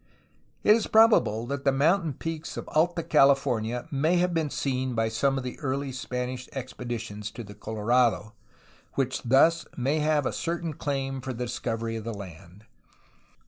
It is probable that the mountain peaks of Alta California may have been seen by some of the early Spanish expeditions to the Colorado, which thus may have a certain claim for the discovery of the land.